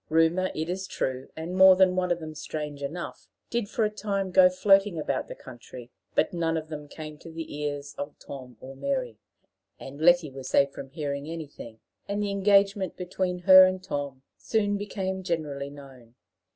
Rumors, it is true and more than one of them strange enough did for a time go floating about the country; but none of them came to the ears of Tom or of Mary, and Letty was safe from hearing anything; and the engagement between her and Tom soon became generally known.